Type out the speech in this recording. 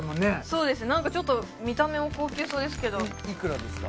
そうですなんかちょっと見た目も高級そうですけどいくらですか？